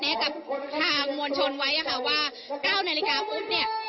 มีการนัดแลกับทางมวลชนไว้ว่าเก้าหน้าลิกลาปุ๊บเนี่ยนี่